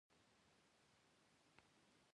خپله وینا څنګه ښکلې کړو؟